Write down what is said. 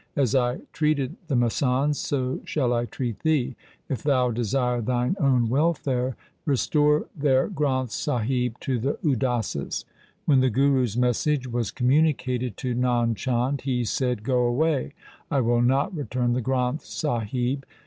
As I treated the masands so shall I treat thee. If thou desire thine own welfare, restore their Granth Sahib to the Udasis.' When the Guru's message was communi cated to Nand Chand, he said, ' Go away ; I will not return the Granth Sahib.